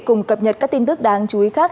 cùng cập nhật các tin tức đáng chú ý khác